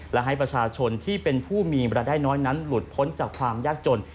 และให้ประชาชนที่เป็นผู้มีเวลาได้น้อยนั้นหลุดพ้นจากความยากจน